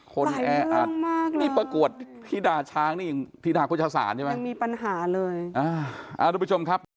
คนแออัดนี่ประกวดพิธีดาช้างนี่พิธีดาพุทธศาสตร์ใช่ไหมอ่าทุกผู้ชมครับ